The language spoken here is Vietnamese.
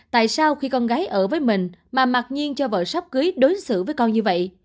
tại sao khi con gái ở với mình mà mặc nhiên cho vợ sắp cưới đối xử với con như vậy